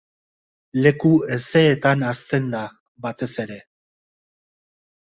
Leku hezeetan hazten da, batez ere.